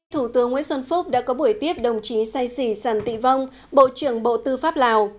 thủ tướng nguyễn xuân phúc đã có buổi tiếp đồng chí say xỉ sàn tị vong bộ trưởng bộ tư pháp lào